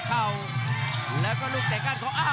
อย่าหลวนนะครับที่เตือนทางด้านยอดปรับศึกครับ